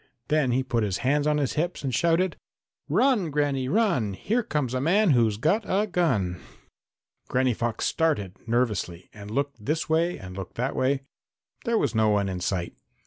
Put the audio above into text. Then he put his hands on his hips and shouted: "Run, Granny, run! Here comes a man who's got a gun!" Granny Fox started nervously and looked this way and looked that way. There was no one in sight.